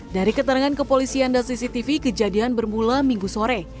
dari keterangan kepolisian dan cctv kejadian bermula minggu sore